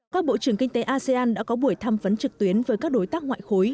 các bộ trưởng kinh tế asean đã có buổi tham vấn trực tuyến với các đối tác ngoại khối